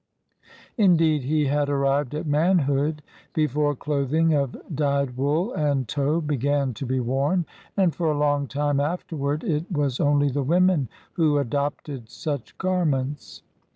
Indeed, he had arrived at manhood before clothing of dyed wool and tow began to be worn, and for a long time afterward it was only the women who adopted such garments.